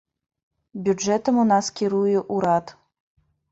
Бюджэтам у нас кіруе ўрад.